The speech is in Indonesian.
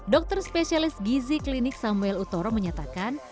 dokter spesialis gizi klinik samuel utoro menyatakan